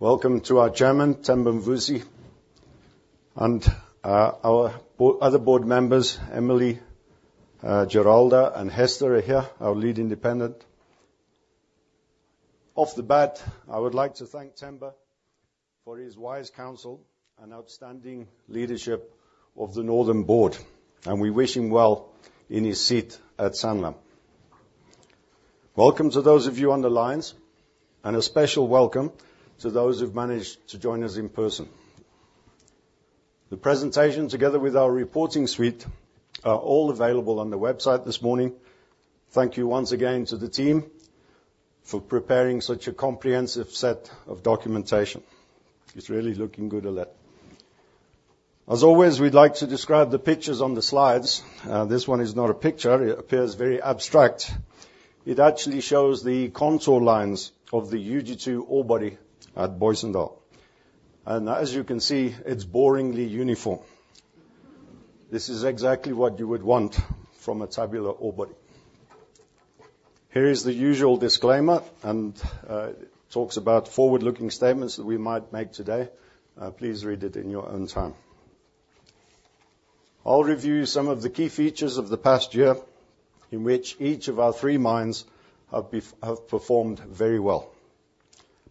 Welcome to our chairman, Themba Mvusi, and our other board members, Emily, Geralda, and Hester are here, our lead independent. Off the bat, I would like to thank Themba for his wise counsel and outstanding leadership of the Northam board, and we wish him well in his seat at Sanlam. Welcome to those of you on the lines, and a special welcome to those who've managed to join us in person. The presentation, together with our reporting suite, are all available on the website this morning. Thank you once again to the team for preparing such a comprehensive set of documentation. It's really looking good, Alet. As always, we'd like to describe the pictures on the slides. This one is not a picture. It appears very abstract. It actually shows the contour lines of the UG2 ore body at Booysendal. As you can see, it's boringly uniform. This is exactly what you would want from a tabular ore body. Here is the usual disclaimer, and it talks about forward-looking statements that we might make today. Please read it in your own time. I'll review some of the key features of the past year in which each of our three mines have performed very well,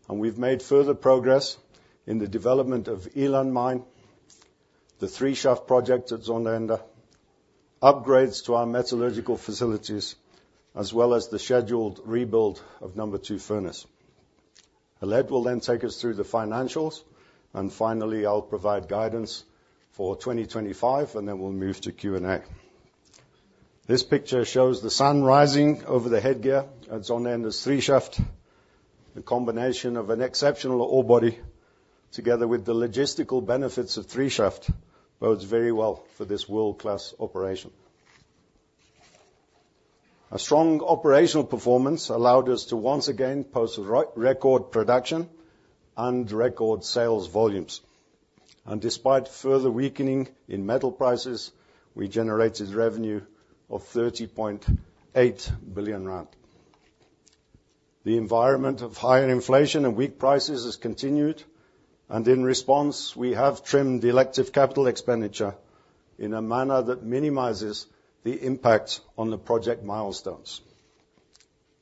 and we've made further progress in the development of Eland Mine, the Three Shaft project at Zondereinde, upgrades to our metallurgical facilities, as well as the scheduled rebuild of Number 2 Furnace. Alet will then take us through the financials, and finally, I'll provide guidance for 2025, and then we'll move to Q&A. This picture shows the sun rising over the headgear at Zondereinde's Three Shaft. The combination of an exceptional ore body, together with the logistical benefits of Three Shaft, bodes very well for this world-class operation. A strong operational performance allowed us to once again post record production and record sales volumes, and despite further weakening in metal prices, we generated revenue of 30.8 billion rand. The environment of higher inflation and weak prices has continued, and in response, we have trimmed the elective capital expenditure in a manner that minimizes the impact on the project milestones.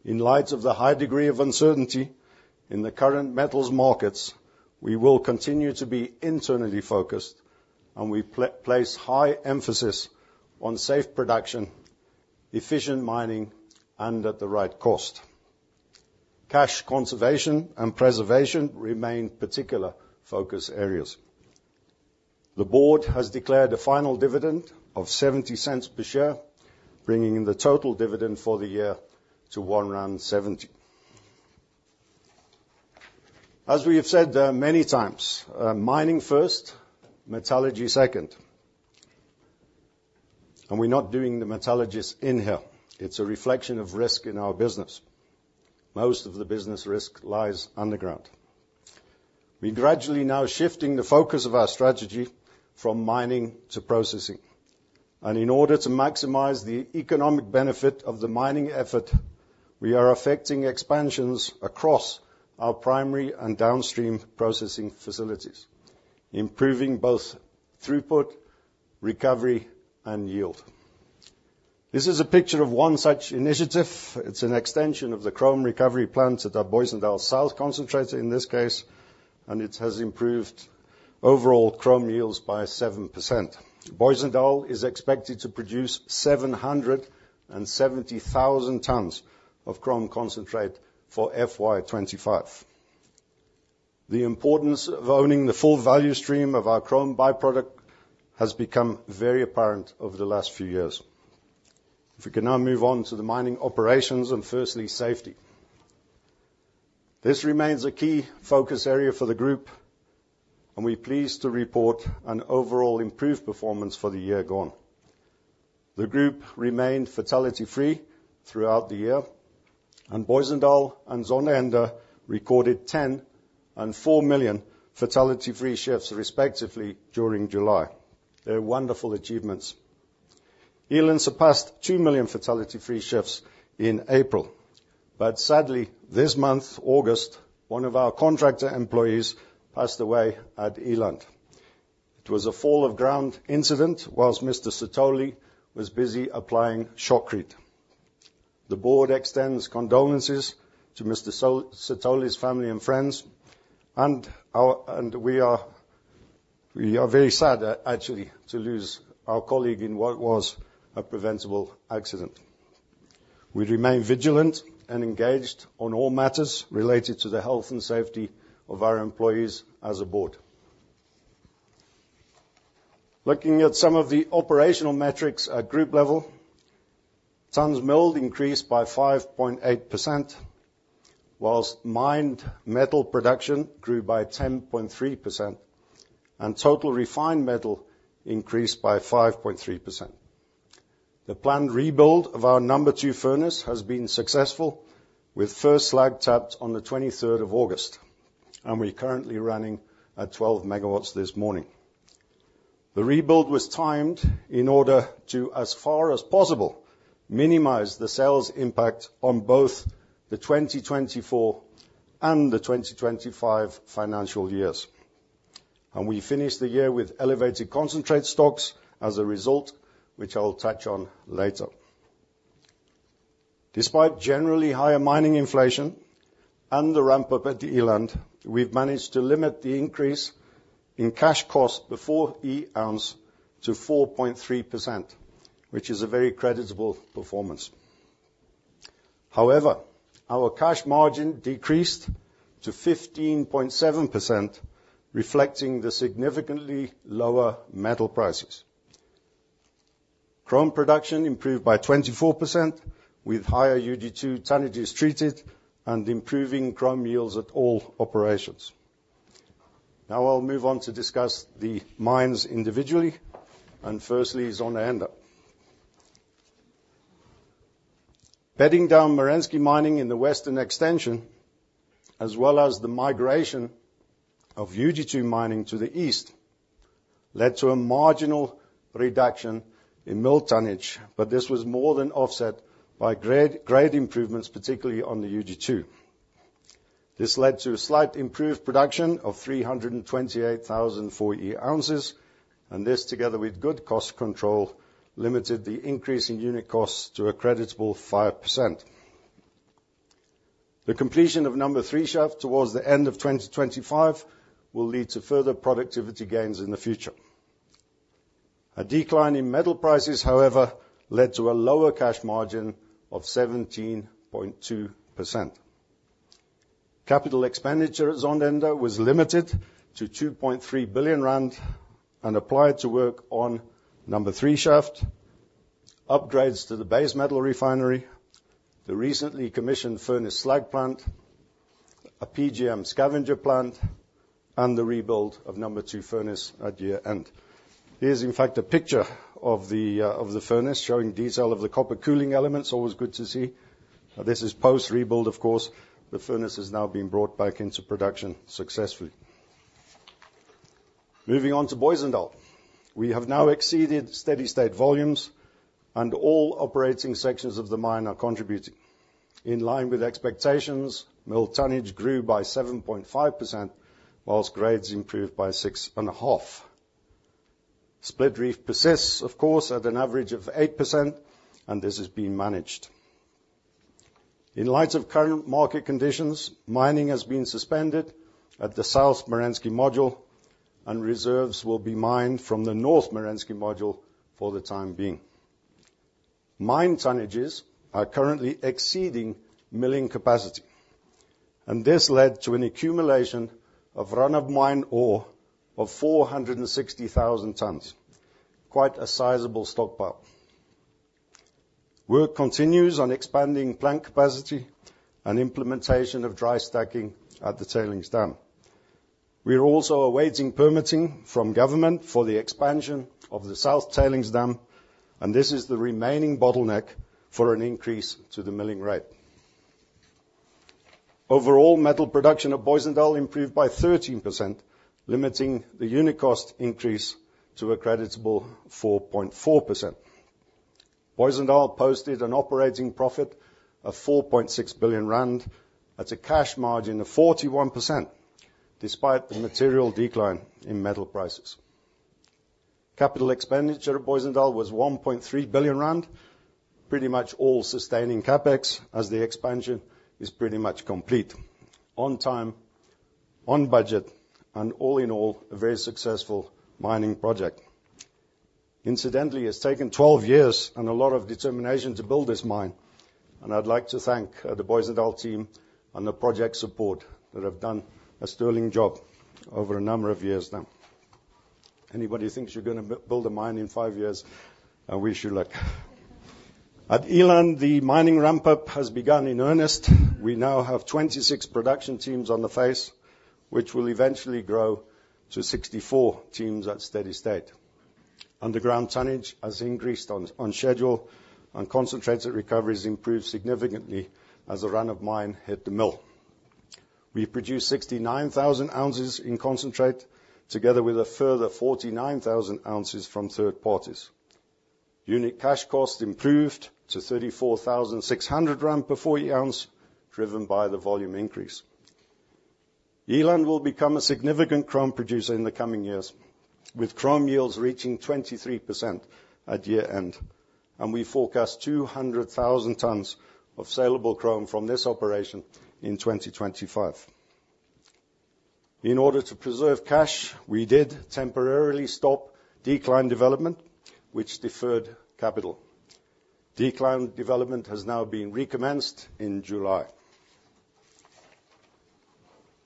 In light of the high degree of uncertainty in the current metals markets, we will continue to be internally focused, and we place high emphasis on safe production, efficient mining, and at the right cost. Cash conservation and preservation remain particular focus areas. The board has declared a final dividend of 0.70 per share, bringing in the total dividend for the year to 1.70. As we have said there many times, mining first, metallurgy second, and we're not doing the metallurgist in a hole. It's a reflection of risk in our business. Most of the business risk lies underground. We're gradually now shifting the focus of our strategy from mining to processing, and in order to maximize the economic benefit of the mining effort, we are effecting expansions across our primary and downstream processing facilities, improving both throughput, recovery, and yield. This is a picture of one such initiative. It's an extension of the chrome recovery plant at our Booysendal South concentrator, in this case, and it has improved overall chrome yields by 7%. Booysendal is expected to produce 770,000 tons of chrome concentrate for FY 2025. The importance of owning the full value stream of our chrome byproduct has become very apparent over the last few years. If we can now move on to the mining operations and firstly, safety. This remains a key focus area for the group, and we're pleased to report an overall improved performance for the year gone. The group remained fatality-free throughout the year, and Booysendal and Zondereinde recorded 10 and four million fatality-free shifts, respectively, during July. They're wonderful achievements. Eland surpassed two million fatality-free shifts in April, but sadly, this month, August, one of our contractor employees passed away at Eland. It was a fall of ground incident whilst Mr. Sithole was busy applying shotcrete. The board extends condolences to Mr. Sithole's family and friends, and we are very sad actually to lose our colleague in what was a preventable accident. We remain vigilant and engaged on all matters related to the health and safety of our employees as a board. Looking at some of the operational metrics at group level, tonnes milled increased by 5.8%, while mined metal production grew by 10.3%, and total refined metal increased by 5.3%. The planned rebuild of our Number 2 Furnace has been successful, with first slag tapped on the 23rd of August, and we're currently running at 12 megawatts this morning. The rebuild was timed in order to, as far as possible, minimize the sales impact on both the twenty twenty-four and the twenty twenty-five financial years. And we finished the year with elevated concentrate stocks as a result, which I'll touch on later. Despite generally higher mining inflation and the ramp up at Eland, we've managed to limit the increase in cash costs before the ounce to 4.3%, which is a very creditable performance. However, our cash margin decreased to 15.7%, reflecting the significantly lower metal prices. Chrome production improved by 24%, with higher UG2 tonnage treated and improving chrome yields at all operations. Now I'll move on to discuss the mines individually, and firstly, Zondereinde. Bedding down Merensky mining in the western extension, as well as the migration of UG2 mining to the east, led to a marginal reduction in mill tonnage, but this was more than offset by grade improvements, particularly on the UG2. This led to a slight improved production of 328,000 full-year ounces, and this, together with good cost control, limited the increase in unit costs to a creditable 5%. The completion of Number 3 Shaft towards the end of 2025 will lead to further productivity gains in the future. A decline in metal prices, however, led to a lower cash margin of 17.2%. Capital expenditure at Zondereinde was limited to 2.3 billion rand and applied to work on Number 3 Shaft, upgrades to the Base Metal Refinery, the recently commissioned Furnace Slag Plant, a PGM scavenger plant, and the rebuild of number 2 furnace at year-end. Here's, in fact, a picture of the furnace, showing detail of the copper cooling elements. Always good to see. This is post-rebuild, of course. The furnace has now been brought back into production successfully. Moving on to Booysendal. We have now exceeded steady state volumes, and all operating sections of the mine are contributing. In line with expectations, mill tonnage grew by 7.5%, while grades improved by 6.5%. Split Reef persists, of course, at an average of 8%, and this is being managed. In light of current market conditions, mining has been suspended at the South Merensky Module, and reserves will be mined from the North Merensky Module for the time being. Mine tonnages are currently exceeding milling capacity, and this led to an accumulation of run-of-mine ore of 460,000 tons. Quite a sizable stockpile. Work continues on expanding plant capacity and implementation of dry stacking at the tailings dam. We are also awaiting permitting from government for the expansion of the South Tailings Dam, and this is the remaining bottleneck for an increase to the milling rate. Overall, metal production at Booysendal improved by 13%, limiting the unit cost increase to a creditable 4.4%. Booysendal posted an operating profit of 4.6 billion rand at a cash margin of 41%, despite the material decline in metal prices. Capital expenditure at Booysendal was 1.3 billion rand, pretty much all sustaining CapEx, as the expansion is pretty much complete, on time, on budget, and all in all, a very successful mining project. Incidentally, it's taken 12 years and a lot of determination to build this mine, and I'd like to thank the Booysendal team and the project support that have done a sterling job over a number of years now. Anybody thinks you're gonna build a mine in 5 years. I wish you luck. At Eland, the mining ramp-up has begun in earnest. We now have 26 production teams on the face, which will eventually grow to 64 teams at steady state. Underground tonnage has increased on schedule, and concentrated recoveries improved significantly as a run of mine hit the mill. We produced 69,000 ounces in concentrate, together with a further 49,000 ounces from third parties. Unit cash cost improved to 34,600 rand per full ounce, driven by the volume increase. Eland will become a significant chrome producer in the coming years, with chrome yields reaching 23% at year-end, and we forecast 200,000 tons of sellable chrome from this operation in 2025. In order to preserve cash, we did temporarily stop decline development, which deferred capital. Decline development has now been recommenced in July.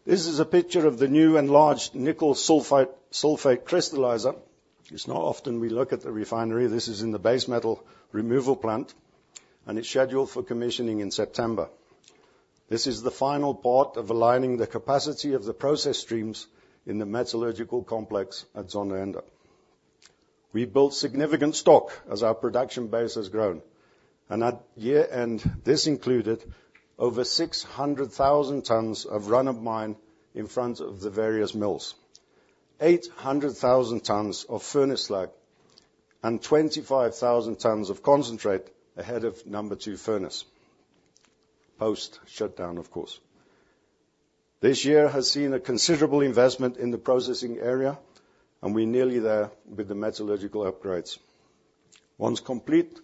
This is a picture of the new enlarged nickel sulfate crystallizer. It's not often we look at the refinery. This is in the Base Metal Removal Plant, and it's scheduled for commissioning in September. This is the final part of aligning the capacity of the process streams in the metallurgical complex at Zondereinde. We built significant stock as our production base has grown, and at year-end, this included over 600,000 tons of run-of-mine in front of the various mills, 800,000 tons of furnace slag, and 25,000 tons of concentrate ahead of number 2 furnace, post shutdown of course. This year has seen a considerable investment in the processing area, and we're nearly there with the metallurgical upgrades. Once complete,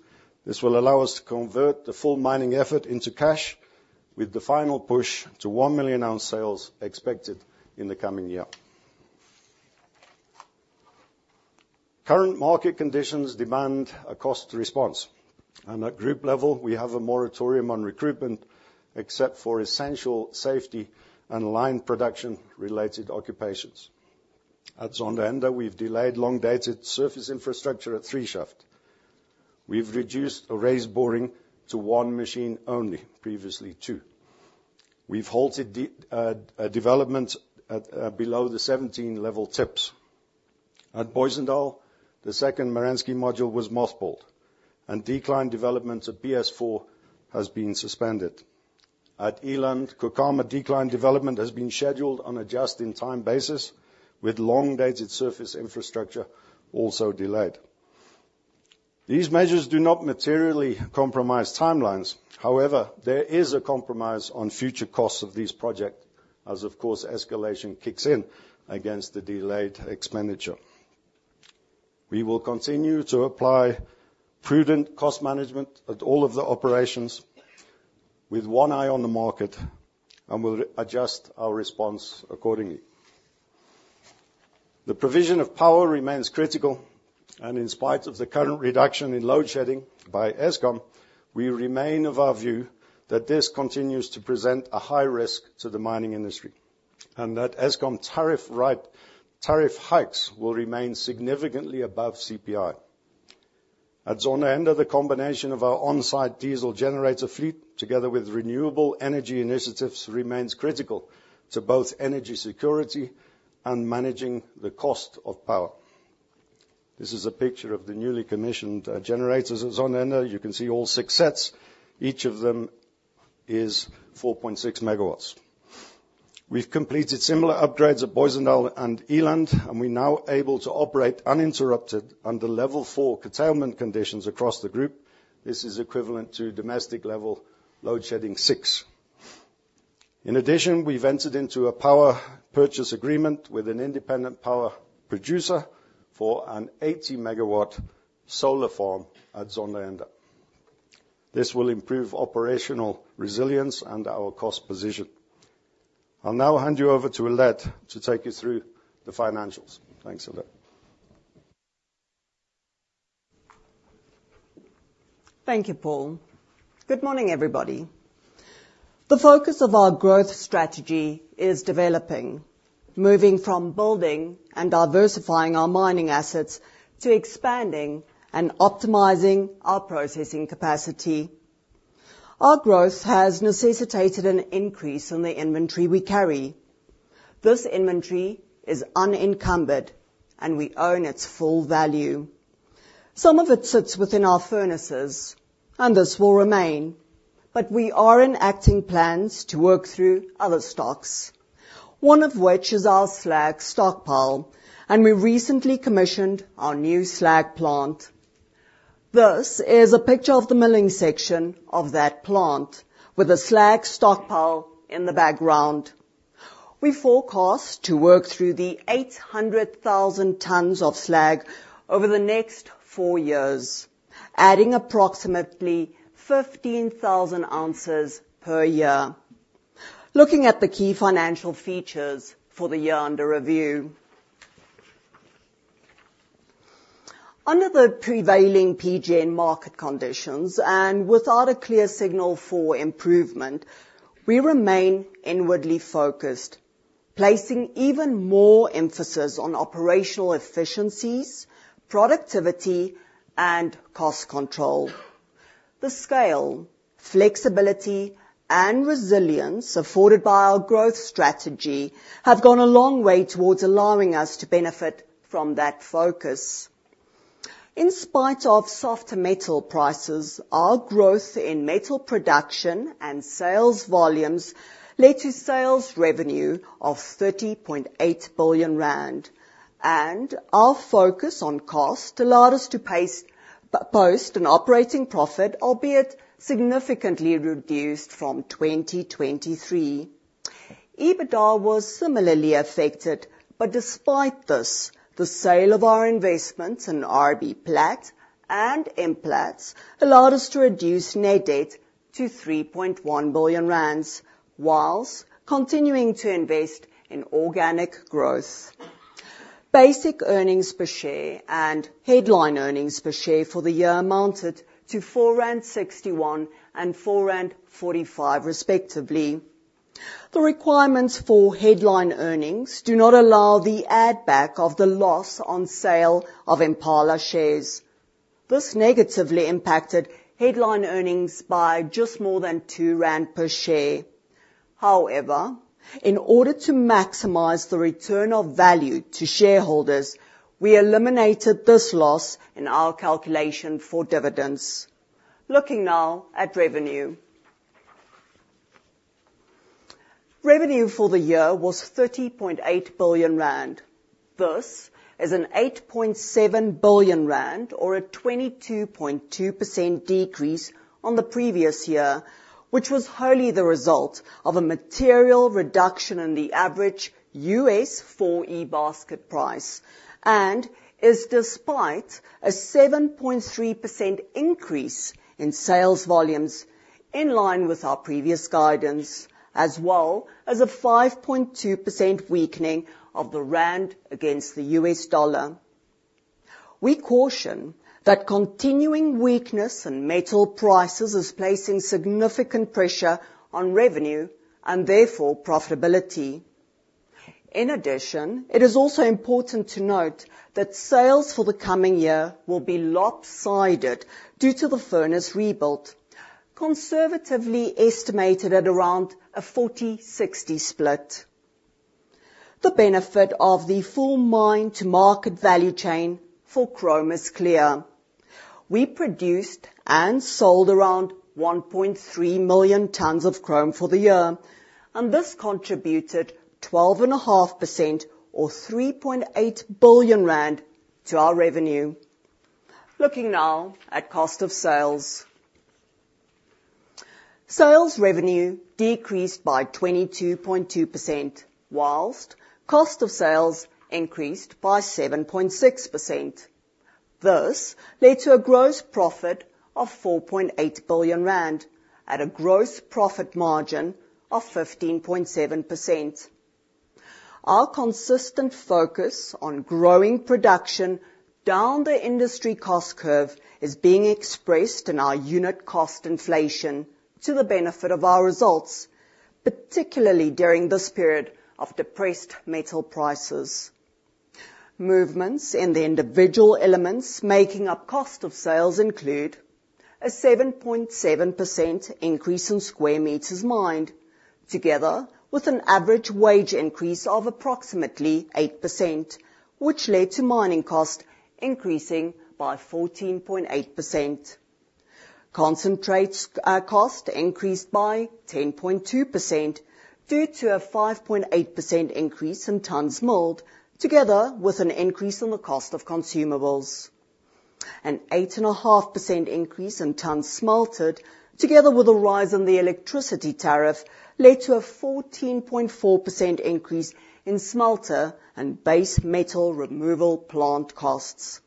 this will allow us to convert the full mining effort into cash, with the final push to one million ounce sales expected in the coming year. Current market conditions demand a cost response, and at group level, we have a moratorium on recruitment, except for essential safety and line production-related occupations. At Zondereinde, we've delayed long-dated surface infrastructure at Three Shaft. We've reduced a raise boring to one machine only, previously two. We've halted the development at below the 17 level tips. At Booysendal, the second Merensky module was mothballed, and decline developments at BS4 has been suspended. At Eland, Kukama Decline development has been scheduled on a just-in-time basis, with long-dated surface infrastructure also delayed. These measures do not materially compromise timelines. However, there is a compromise on future costs of this project, as of course, escalation kicks in against the delayed expenditure. We will continue to apply prudent cost management at all of the operations, with one eye on the market, and we'll adjust our response accordingly. The provision of power remains critical, and in spite of the current reduction in load shedding by Eskom, we remain of our view that this continues to present a high risk to the mining industry, and that Eskom tariff hikes will remain significantly above CPI. At Zondereinde, the combination of our on-site diesel generator fleet, together with renewable energy initiatives, remains critical to both energy security and managing the cost of power. This is a picture of the newly commissioned generators at Zondereinde. You can see all six sets. Each of them is 4.6 megawatts. We've completed similar upgrades at Booysendal and Eland, and we're now able to operate uninterrupted under level 4 curtailment conditions across the group. This is equivalent to domestic level load shedding six. In addition, we've entered into a power purchase agreement with an independent power producer for an 80-megawatt solar farm at Zondereinde. This will improve operational resilience and our cost position. I'll now hand you over to Alet to take you through the financials. Thanks, Alet. Thank you, Paul. Good morning, everybody. The focus of our growth strategy is developing, moving from building and diversifying our mining assets to expanding and optimizing our processing capacity. Our growth has necessitated an increase in the inventory we carry. This inventory is unencumbered, and we own its full value. Some of it sits within our furnaces, and this will remain, but we are enacting plans to work through other stocks, one of which is our slag stockpile, and we recently commissioned our new slag plant. This is a picture of the milling section of that plant with a slag stockpile in the background. We forecast to work through the 800,000 tons of slag over the next four years, adding approximately 15,000 ounces per year. Looking at the key financial features for the year under review. Under the prevailing PGM market conditions and without a clear signal for improvement, we remain inwardly focused, placing even more emphasis on operational efficiencies, productivity, and cost control. The scale, flexibility, and resilience afforded by our growth strategy have gone a long way towards allowing us to benefit from that focus. In spite of softer metal prices, our growth in metal production and sales volumes led to sales revenue of 30.8 billion rand, and our focus on cost allowed us to post an operating profit, albeit significantly reduced from 2023. EBITDA was similarly affected, but despite this, the sale of our investment in RBPlat and Implats allowed us to reduce net debt to 3.1 billion rand whilst continuing to invest in organic growth. Basic earnings per share and headline earnings per share for the year amounted to 4.61 rand and 4.45 rand, respectively. The requirements for headline earnings do not allow the add back of the loss on sale of Impala shares. This negatively impacted headline earnings by just more than 2 rand per share. However, in order to maximize the return of value to shareholders, we eliminated this loss in our calculation for dividends. Looking now at revenue. Revenue for the year was 30.8 billion rand. This is 8.7 billion rand, or a 22.2% decrease on the previous year, which was highly the result of a material reduction in the average US 4E basket price, and is despite a 7.3% increase in sales volumes, in line with our previous guidance, as well as a 5.2% weakening of the rand against the US dollar. We caution that continuing weakness in metal prices is placing significant pressure on revenue, and therefore, profitability. In addition, it is also important to note that sales for the coming year will be lopsided due to the furnace rebuild, conservatively estimated at around a 40-60 split. The benefit of the full mine to market value chain for chrome is clear. We produced and sold around 1.3 million tons of chrome for the year, and this contributed 12.5%, or 3.8 billion rand, to our revenue. Looking now at cost of sales. Sales revenue decreased by 22.2%, while cost of sales increased by 7.6%. This led to a gross profit of 4.8 billion rand, at a gross profit margin of 15.7%. Our consistent focus on growing production down the industry cost curve is being expressed in our unit cost inflation to the benefit of our results, particularly during this period of depressed metal prices. Movements in the individual elements making up cost of sales include: a 7.7% increase in square meters mined, together with an average wage increase of approximately 8%, which led to mining cost increasing by 14.8%. Concentrates cost increased by 10.2% due to a 5.8% increase in tons milled, together with an increase in the cost of consumables. An 8.5% increase in tons smelted, together with a rise in the electricity tariff, led to a 14.4% increase in smelter and Base Metal Removal Plant costs.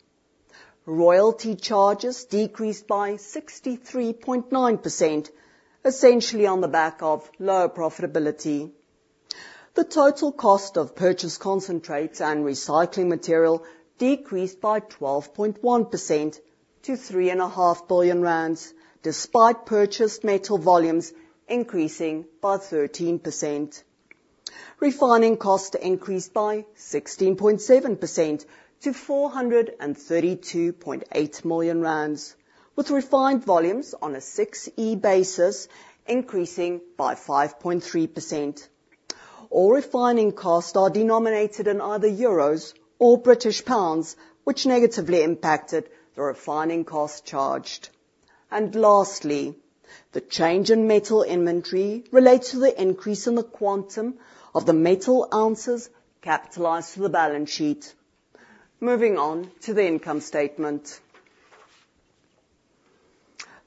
Royalty charges decreased by 63.9%, essentially on the back of lower profitability. The total cost of purchased concentrates and recycling material decreased by 12.1% to 3.5 billion rand, despite purchased metal volumes increasing by 13%. Refining costs increased by 16.7% to 432.8 million rand, with refined volumes on a 6E basis increasing by 5.3%. All refining costs are denominated in either EUR or GBP, which negatively impacted the refining cost charged. Lastly, the change in metal inventory relates to the increase in the quantum of the metal ounces capitalized through the balance sheet. Moving on to the income statement.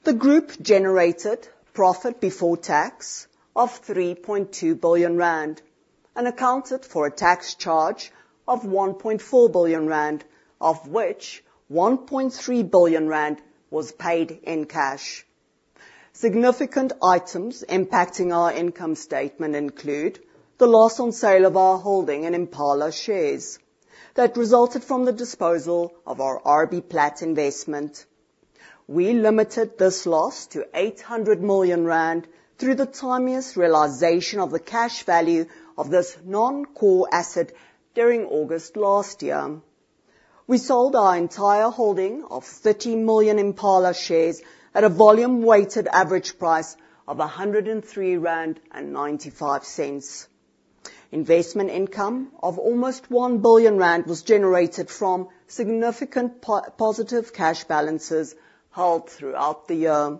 The group generated profit before tax of 3.2 billion rand, and accounted for a tax charge of 1.4 billion rand, of which 1.3 billion rand was paid in cash. Significant items impacting our income statement include the loss on sale of our holding in Impala shares that resulted from the disposal of our RBPlat investment. We limited this loss to 800 million rand through the timeliest realization of the cash value of this non-core asset during August last year. We sold our entire holding of 30 million Impala shares at a volume weighted average price of 103.95 rand. Investment income of almost 1 billion rand was generated from significant positive cash balances held throughout the year.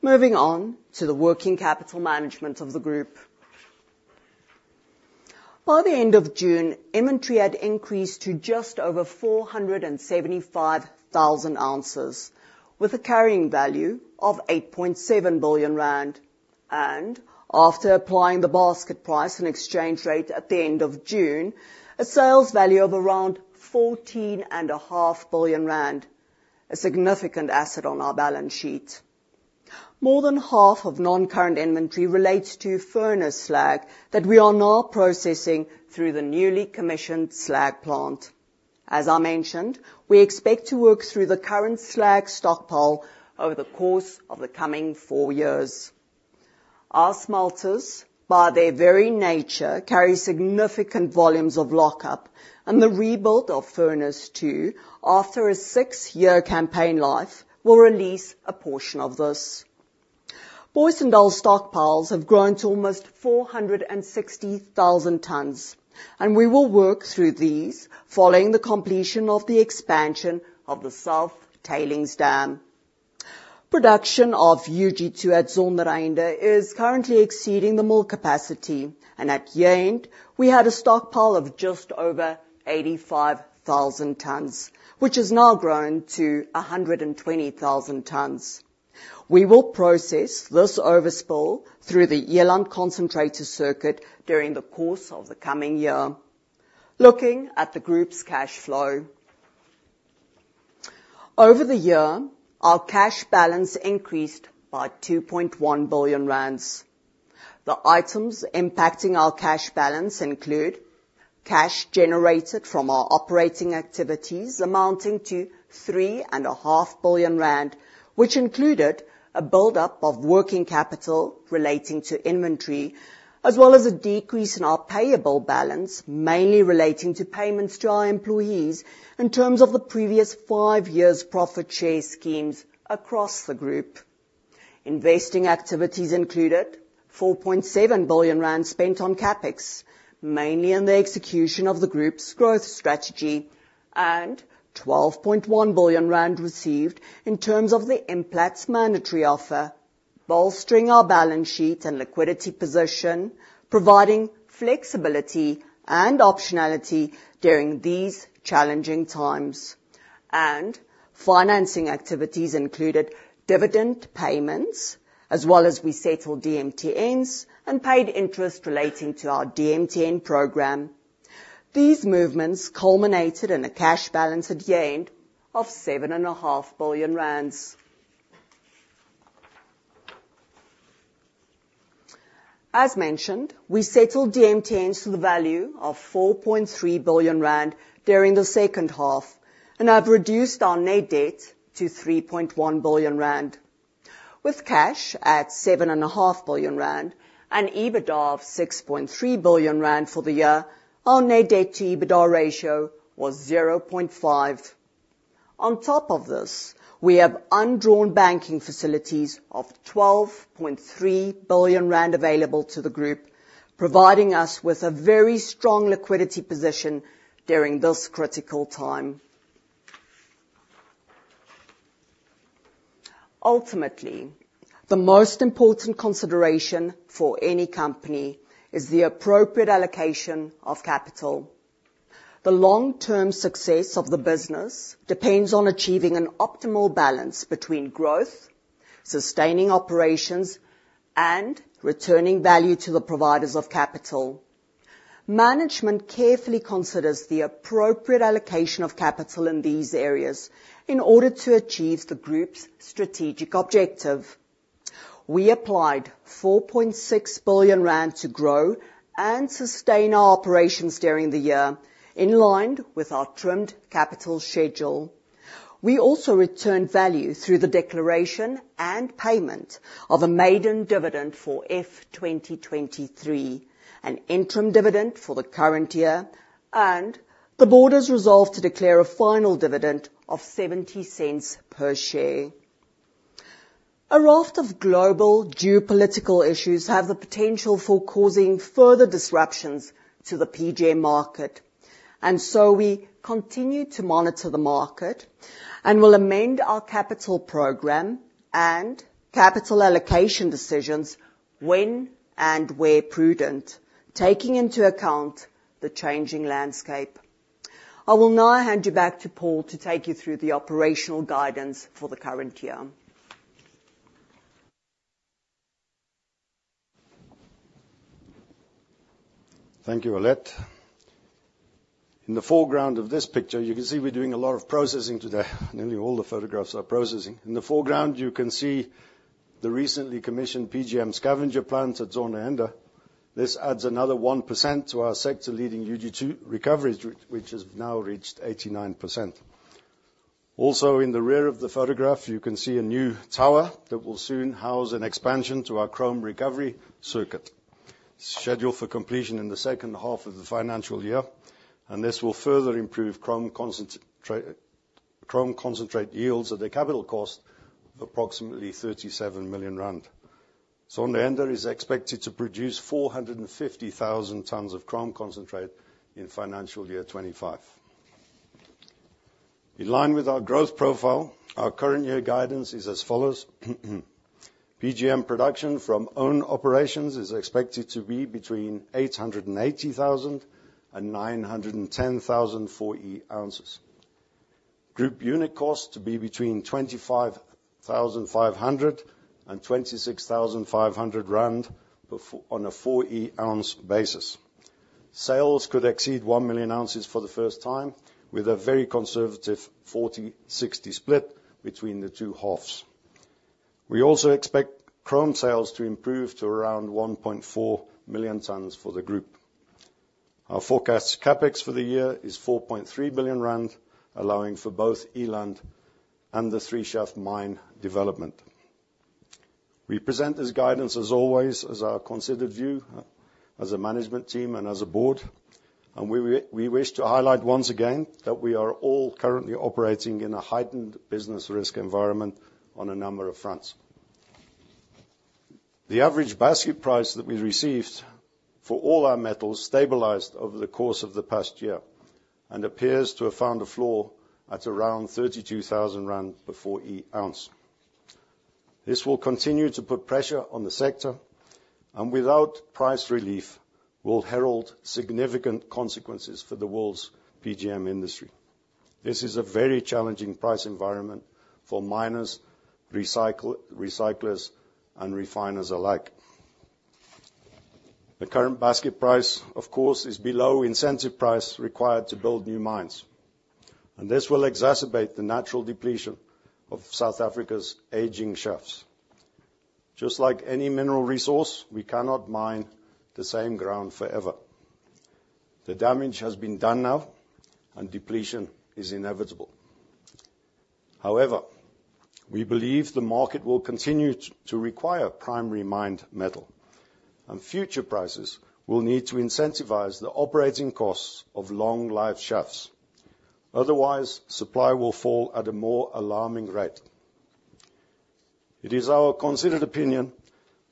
Moving on to the working capital management of the group. By the end of June, inventory had increased to just over 475,000 ounces, with a carrying value of 8.7 billion rand, and after applying the basket price and exchange rate at the end of June, a sales value of around 14.5 billion rand, a significant asset on our balance sheet. More than half of non-current inventory relates to furnace slag that we are now processing through the newly commissioned slag plant. As I mentioned, we expect to work through the current slag stockpile over the course of the coming four years. Our smelters, by their very nature, carry significant volumes of lockup, and the rebuild of Furnace 2 after a six-year campaign life will release a portion of this. Booysendal stockpiles have grown to almost four hundred and sixty thousand tons, and we will work through these following the completion of the expansion of the South Tailings Dam. Production of UG2 at Zondereinde is currently exceeding the mill capacity, and at year-end, we had a stockpile of just over eighty-five thousand tons, which has now grown to a hundred and twenty thousand tons. We will process this overspill through the Eland concentrator circuit during the course of the coming year. Looking at the group's cash flow. Over the year, our cash balance increased by 2.1 billion rand. The items impacting our cash balance include cash generated from our operating activities, amounting to 3.5 billion rand, which included a buildup of working capital relating to inventory, as well as a decrease in our payable balance, mainly relating to payments to our employees in terms of the previous five years' profit share schemes across the group. Investing activities included 4.7 billion rand spent on CapEx, mainly in the execution of the group's growth strategy, and 12.1 billion rand received in terms of the Implats mandatory offer, bolstering our balance sheet and liquidity position, providing flexibility and optionality during these challenging times. And financing activities included dividend payments, as well as we settled DMTNs and paid interest relating to our DMTN program. These movements culminated in a cash balance at year-end of 7.5 billion rand. As mentioned, we settled DMTNs to the value of 4.3 billion rand during the second half, and have reduced our net debt to 3.1 billion rand. With cash at 7.5 billion rand and EBITDA of 6.3 billion rand for the year, our net debt to EBITDA ratio was 0.5. On top of this, we have undrawn banking facilities of 12.3 billion rand available to the group, providing us with a very strong liquidity position during this critical time. Ultimately, the most important consideration for any company is the appropriate allocation of capital. The long-term success of the business depends on achieving an optimal balance between growth, sustaining operations, and returning value to the providers of capital. Management carefully considers the appropriate allocation of capital in these areas in order to achieve the group's strategic objective. We applied 4.6 billion rand to grow and sustain our operations during the year, in line with our trimmed capital schedule. We also returned value through the declaration and payment of a maiden dividend for FY 2023, an interim dividend for the current year, and the board has resolved to declare a final dividend of 0.70 per share. A raft of global geopolitical issues have the potential for causing further disruptions to the PGM market, and so we continue to monitor the market and will amend our capital program and capital allocation decisions when and where prudent, taking into account the changing landscape. I will now hand you back to Paul to take you through the operational guidance for the current year. Thank you, Alet. In the foreground of this picture, you can see we're doing a lot of processing today. Nearly all the photographs are processing. In the foreground, you can see the recently commissioned PGM scavenger plant at Zondereinde. This adds another 1% to our sector-leading UG2 recovery rate, which has now reached 89%. Also, in the rear of the photograph, you can see a new tower that will soon house an expansion to our chrome recovery circuit, scheduled for completion in the second half of the financial year, and this will further improve chrome concentrate yields at a capital cost of approximately 37 million rand. Zondereinde is expected to produce 450,000 tons of chrome concentrate in financial year 2025. In line with our growth profile, our current year guidance is as follows: PGM production from own operations is expected to be between 880,000 and 910,000 4E ounces. Group unit cost to be between 25,500 and 26,500 rand on a forty-ounce basis. Sales could exceed 1 million ounces for the first time, with a very conservative 40-60 split between the two halves. We also expect chrome sales to improve to around 1.4 million tons for the group. Our forecast CapEx for the year is 4.3 billion rand, allowing for both Eland and the Three Shaft mine development. We present this guidance, as always, as our considered view, as a management team and as a board. And we wish to highlight once again that we are all currently operating in a heightened business risk environment on a number of fronts. The average basket price that we received for all our metals stabilized over the course of the past year, and appears to have found a floor at around 32,000 rand per E ounce. This will continue to put pressure on the sector, and without price relief, will herald significant consequences for the world's PGM industry. This is a very challenging price environment for miners, recyclers, and refiners alike. The current basket price, of course, is below incentive price required to build new mines, and this will exacerbate the natural depletion of South Africa's aging shafts. Just like any mineral resource, we cannot mine the same ground forever. The damage has been done now, and depletion is inevitable. However, we believe the market will continue to require primary mined metal, and future prices will need to incentivize the operating costs of long-life shafts, otherwise, supply will fall at a more alarming rate. It is our considered opinion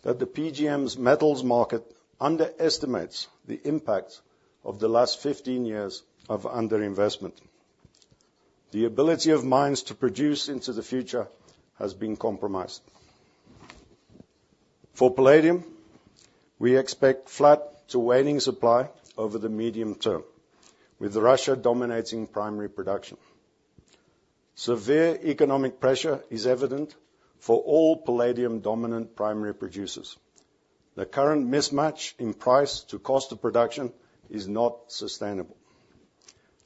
that the PGMs metals market underestimates the impact of the last fifteen years of underinvestment. The ability of mines to produce into the future has been compromised. For palladium, we expect flat to waning supply over the medium term, with Russia dominating primary production. Severe economic pressure is evident for all palladium-dominant primary producers. The current mismatch in price to cost of production is not sustainable,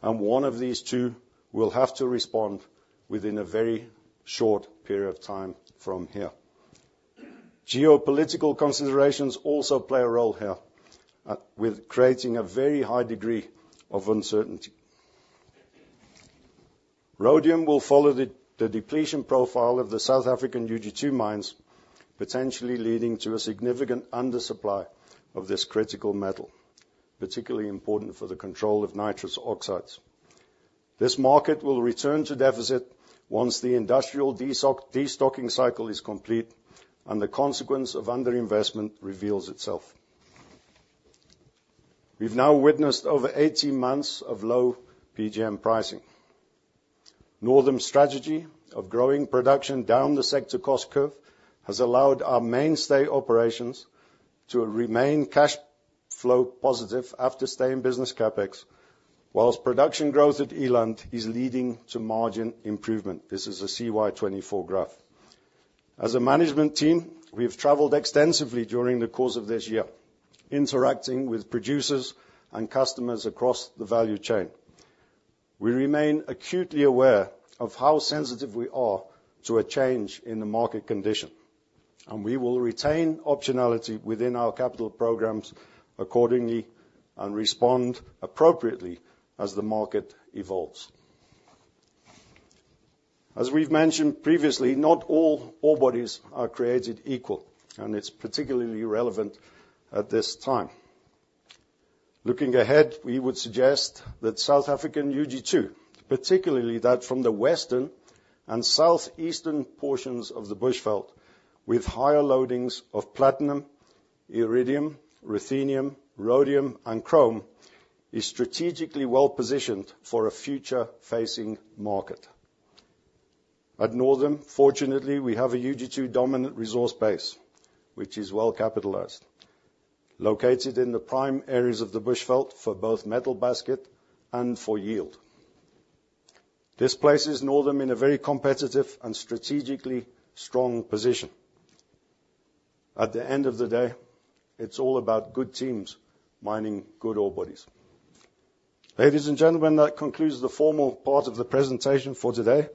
and one of these two will have to respond within a very short period of time from here. Geopolitical considerations also play a role here, with creating a very high degree of uncertainty. Rhodium will follow the depletion profile of the South African UG2 mines, potentially leading to a significant undersupply of this critical metal, particularly important for the control of nitrous oxides. This market will return to deficit once the industrial destocking cycle is complete, and the consequence of underinvestment reveals itself. We've now witnessed over eighteen months of low PGM pricing. Northam's strategy of growing production down the sector cost curve has allowed our mainstay operations to remain cash flow positive after staying in business CapEx, while production growth at Eland is leading to margin improvement. This is a CY 2024 graph. As a management team, we've traveled extensively during the course of this year, interacting with producers and customers across the value chain. We remain acutely aware of how sensitive we are to a change in the market condition, and we will retain optionality within our capital programs accordingly, and respond appropriately as the market evolves. As we've mentioned previously, not all ore bodies are created equal, and it's particularly relevant at this time. Looking ahead, we would suggest that South African UG2, particularly that from the western and southeastern portions of the Bushveld, with higher loadings of platinum, iridium, ruthenium, rhodium, and chrome, is strategically well-positioned for a future-facing market. At Northam, fortunately, we have a UG2 dominant resource base, which is well-capitalized, located in the prime areas of the Bushveld for both metal basket and for yield. This places Northam in a very competitive and strategically strong position. At the end of the day, it's all about good teams mining good ore bodies. Ladies and gentlemen, that concludes the formal part of the presentation for today.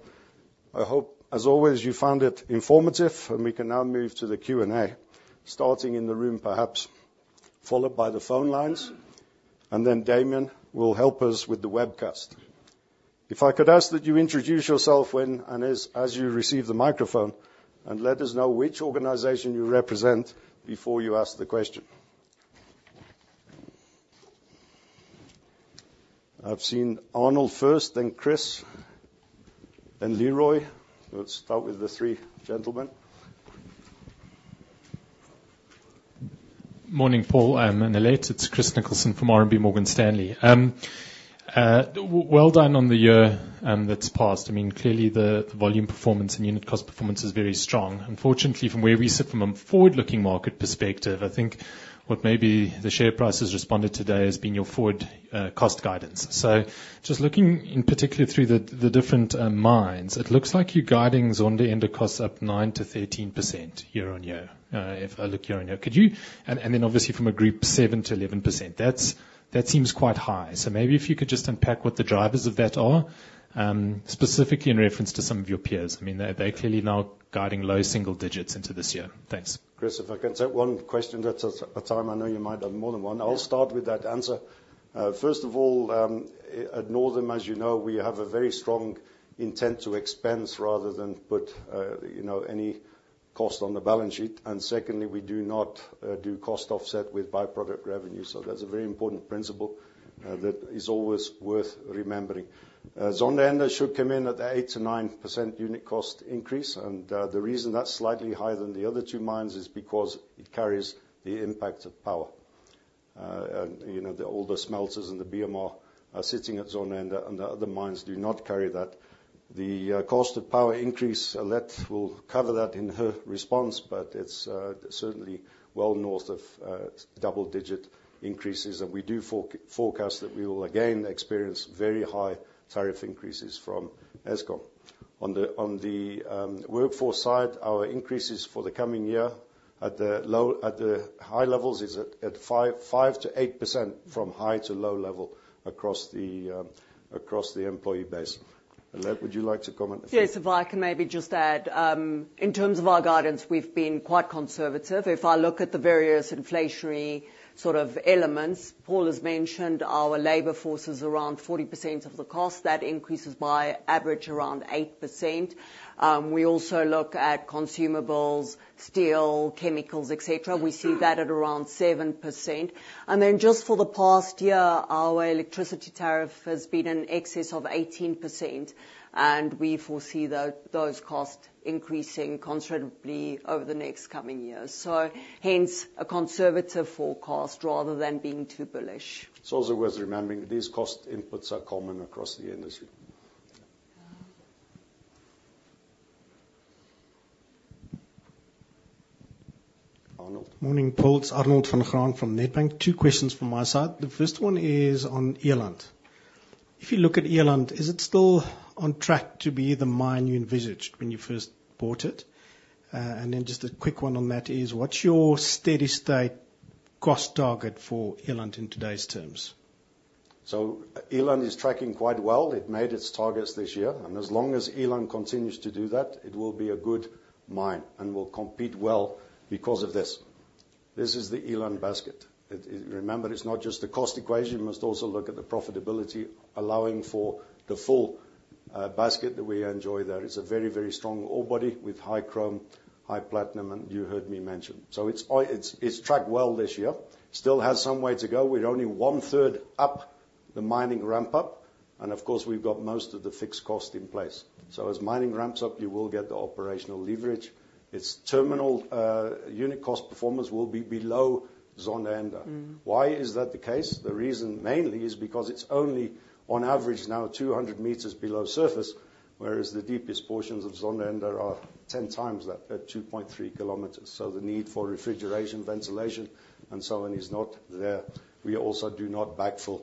I hope, as always, you found it informative, and we can now move to the Q&A, starting in the room, perhaps followed by the phone lines, and then Damian will help us with the webcast. If I could ask that you introduce yourself when and as you receive the microphone, and let us know which organization you represent before you ask the question. I've seen Arnold first, then Chris, and Leroy. Let's start with the three gentlemen. Morning, Paul and Alet. It's Chris Nicholson from RMB Morgan Stanley. Well done on the year that's passed. I mean, clearly, the volume performance and unit cost performance is very strong. Unfortunately, from where we sit, from a forward-looking market perspective, I think what maybe the share price has responded today has been your forward cost guidance. So just looking in particular through the different mines, it looks like you're guiding Zondereinde costs up 9%-13% year-on-year, if I look year-on-year. Could you... And then obviously from a group, 7%-11%. That seems quite high. So maybe if you could just unpack what the drivers of that are, specifically in reference to some of your peers. I mean, they're clearly now guiding low single digits into this year. Thanks. Chris, if I can take one question at a time, I know you might have more than one. Yeah. I'll start with that answer. First of all, at Northam, as you know, we have a very strong intent to expense rather than put, you know, any cost on the balance sheet, and secondly, we do not do cost offset with byproduct revenue. So that's a very important principle, that is always worth remembering. Zondereinde should come in at the 8%-9% unit cost increase, and the reason that's slightly higher than the other two mines is because it carries the impact of power. And, you know, the older smelters and the BMR are sitting at Zondereinde, and the other mines do not carry that. The cost of power increase, Alet will cover that in her response, but it's certainly well north of double-digit increases, and we do forecast that we will again experience very high tariff increases from Eskom. On the workforce side, our increases for the coming year at the low to high levels is at 5%-8% from high to low level across the employee base. Alet, would you like to comment? Yes, if I can maybe just add, in terms of our guidance, we've been quite conservative. If I look at the various inflationary sort of elements, Paul has mentioned, our labor force is around 40% of the cost. That increases by average around 8%. We also look at consumables, steel, chemicals, et cetera. We see that at around 7%. And then just for the past year, our electricity tariff has been in excess of 18%, and we foresee those costs increasing considerably over the next coming years. So hence, a conservative forecast rather than being too bullish. It's also worth remembering that these cost inputs are common across the industry. Arnold? Morning, Paul. It's Arnold van Graan from Nedbank. Two questions from my side. The first one is on Eland. If you look at Eland, is it still on track to be the mine you envisaged when you first bought it? And then just a quick one on that is, what's your steady state cost target for Eland in today's terms? So Eland is tracking quite well. It made its targets this year, and as long as Eland continues to do that, it will be a good mine and will compete well because of this. This is the Eland basket. Remember, it's not just the cost equation. You must also look at the profitability, allowing for the full basket that we enjoy there. It's a very, very strong ore body with high chrome, high platinum, and you heard me mention. So it's tracked well this year. Still has some way to go. We're only one-third up the mining ramp up, and of course, we've got most of the fixed cost in place. So as mining ramps up, you will get the operational leverage. Its terminal unit cost performance will be below Zondereinde. Mm-hmm. Why is that the case? The reason, mainly, is because it's only on average now two hundred meters below surface, whereas the deepest portions of Zondereinde are ten times that, at two point three kilometers. So the need for refrigeration, ventilation, and so on is not there. We also do not backfill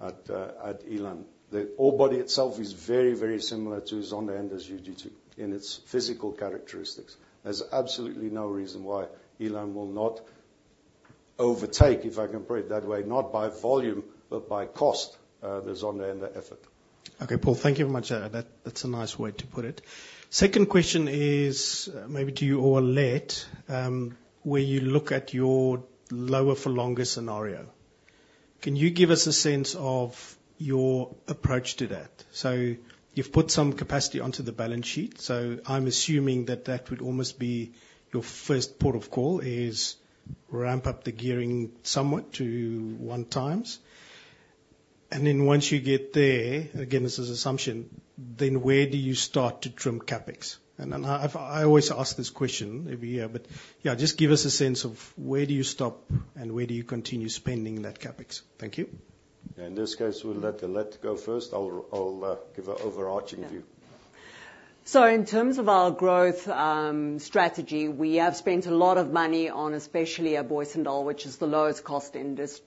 at, at Eland. The ore body itself is very, very similar to Zondereinde, as you'd see in its physical characteristics. There's absolutely no reason why Eland will not overtake, if I can put it that way, not by volume, but by cost, the Zondereinde effort. Okay, Paul, thank you very much. That, that's a nice way to put it. Second question is, maybe to you or Alet, where you look at your lower for longer scenario. Can you give us a sense of your approach to that? So you've put some capacity onto the balance sheet, so I'm assuming that that would almost be your first port of call, is ramp up the gearing somewhat to one times. And then once you get there, again, this is assumption, then where do you start to trim CapEx? And I always ask this question every year, but yeah, just give us a sense of where do you stop, and where do you continue spending that CapEx? Thank you. Yeah, in this case, we'll let Alet go first. I'll give an overarching view. So in terms of our growth strategy, we have spent a lot of money on especially at Booysendal, which is the lowest cost in this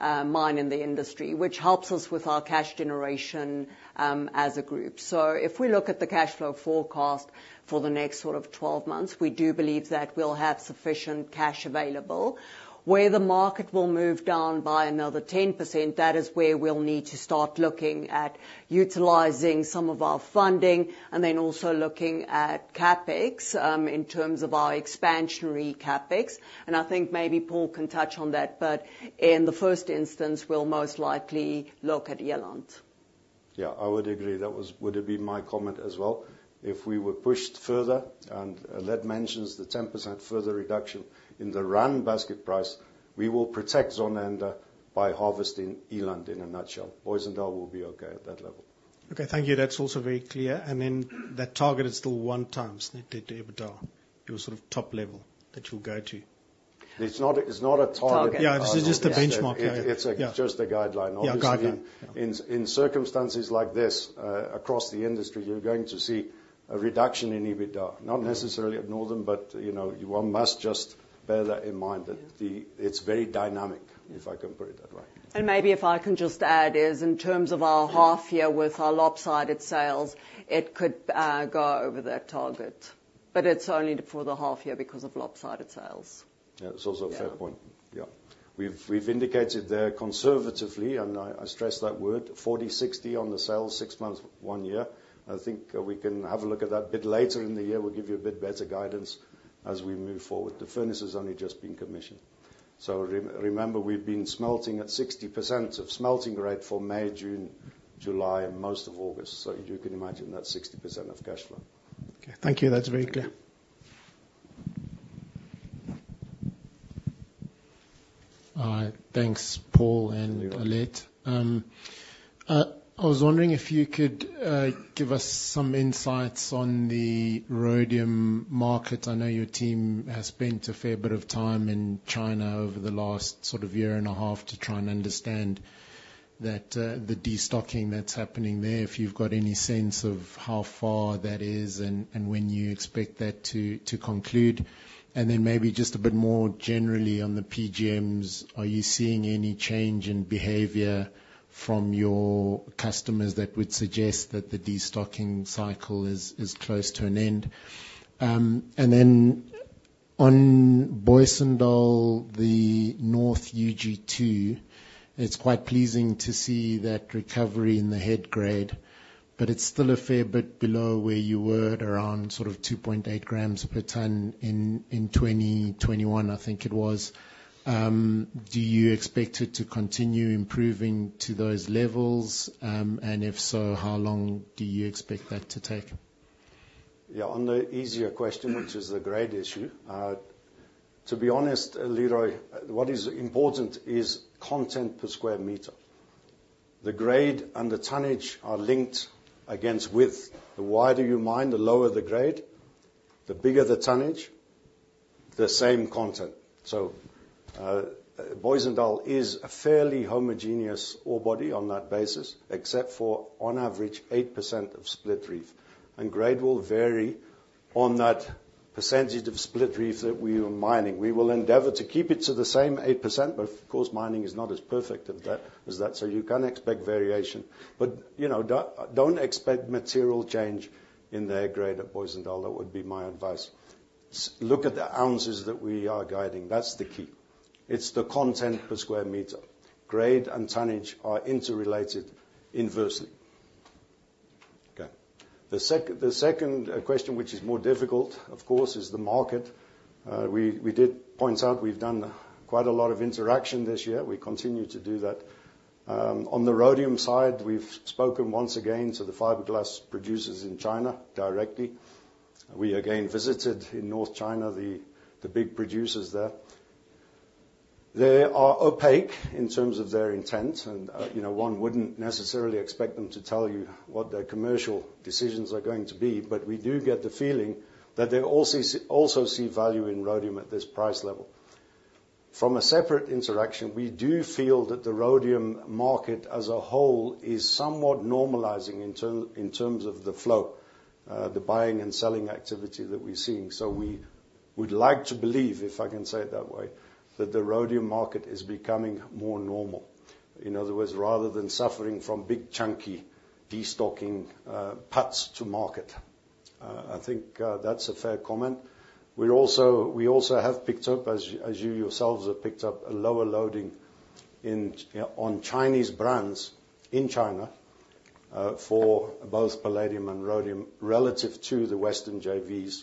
mine in the industry, which helps us with our cash generation as a group. So if we look at the cash flow forecast for the next sort of 12 months, we do believe that we'll have sufficient cash available. Where the market will move down by another 10%, that is where we'll need to start looking at utilizing some of our funding, and then also looking at CapEx in terms of our expansionary CapEx, and I think maybe Paul can touch on that, but in the first instance, we'll most likely look at Eland. Yeah, I would agree. That would have been my comment as well. If we were pushed further, and Alet mentions the 10% further reduction in the rand basket price, we will protect Zondereinde by harvesting Eland, in a nutshell. Booysendal will be okay at that level. Okay, thank you. That's also very clear, and then that target is still one times net debt to EBITDA, your sort of top level that you'll go to. It's not a target. Target. Yeah, this is just a benchmark. It's a- Yeah... just a guideline. Yeah, guideline. In circumstances like this, across the industry, you're going to see a reduction in EBITDA, not necessarily at Northam, but, you know, one must just bear that in mind. Yeah that the, it's very dynamic, if I can put it that way. Maybe if I can just add is, in terms of our half year with our lopsided sales, it could go over that target, but it's only for the half year because of lopsided sales. Yeah, it's also a fair point. Yeah. Yeah. We've indicated there conservatively, and I stress that word, forty-sixty on the sales, six months, one year. I think we can have a look at that a bit later in the year. We'll give you a bit better guidance as we move forward. The furnace has only just been commissioned. So remember, we've been smelting at 60% of smelting rate for May, June, July, and most of August. So you can imagine that's 60% of cash flow. Okay, thank you. That's very clear. Hi. Thanks, Paul and Alet. I was wondering if you could give us some insights on the rhodium market. I know your team has spent a fair bit of time in China over the last sort of year and a half to try and understand that the destocking that's happening there, if you've got any sense of how far that is and when you expect that to conclude. And then maybe just a bit more generally on the PGMs, are you seeing any change in behavior from your customers that would suggest that the destocking cycle is close to an end? And then on Booysendal, the North UG2, it's quite pleasing to see that recovery in the head grade, but it's still a fair bit below where you were at around sort of two point eight grams per tonne in twenty twenty-one, I think it was. Do you expect it to continue improving to those levels? And if so, how long do you expect that to take? Yeah, on the easier question, which is the grade issue. To be honest, Leroy, what is important is content per square meter. The grade and the tonnage are linked against width. The wider you mine, the lower the grade, the bigger the tonnage, the same content. So, Booysendal is a fairly homogeneous ore body on that basis, except for, on average, 8% of Split Reef, and grade will vary on that percentage of Split Reef that we are mining. We will endeavor to keep it to the same 8%, but of course, mining is not as perfect as that, so you can expect variation. But, you know, don't expect material change in the grade at Booysendal. That would be my advice. Look at the ounces that we are guiding. That's the key. It's the content per square meter. Grade and tonnage are interrelated inversely. Okay. The second question, which is more difficult, of course, is the market. We did point out we've done quite a lot of interaction this year. We continue to do that. On the rhodium side, we've spoken once again to the fiberglass producers in China directly. We again visited in north China, the big producers there. They are opaque in terms of their intent, and, you know, one wouldn't necessarily expect them to tell you what their commercial decisions are going to be, but we do get the feeling that they also see value in rhodium at this price level. From a separate interaction, we do feel that the rhodium market as a whole is somewhat normalizing in terms of the flow, the buying and selling activity that we're seeing. We would like to believe, if I can say it that way, that the rhodium market is becoming more normal. In other words, rather than suffering from big, chunky destocking, puts to market. I think that's a fair comment. We also have picked up, as you yourselves have picked up, a lower loading in, on Chinese brands in China, for both palladium and rhodium, relative to the Western JVs,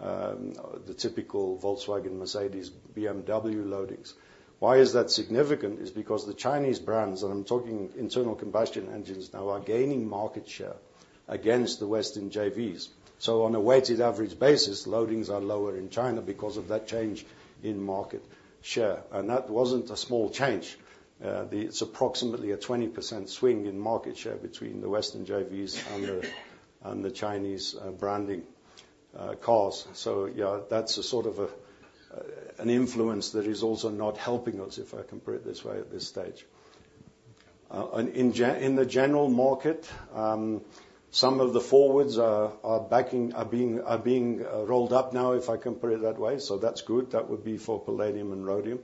the typical Volkswagen, Mercedes, BMW loadings. Why is that significant? Is because the Chinese brands, and I'm talking internal combustion engines now, are gaining market share against the Western JVs. On a weighted average basis, loadings are lower in China because of that change in market share, and that wasn't a small change. It's approximately a 20% swing in market share between the Western JVs and the Chinese branding cars. So yeah, that's a sort of an influence that is also not helping us, if I can put it this way, at this stage. And in the general market, some of the forwards are being rolled up now, if I can put it that way, so that's good. That would be for palladium and rhodium.